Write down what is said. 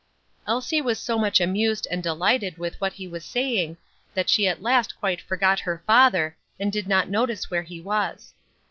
Elsie was so much amused and delighted with what he was saying that she at last quite forgot her father, and did not notice where he was.